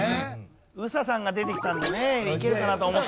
ＳＡさんが出てきたんでねいけるかなと思ったんですけど。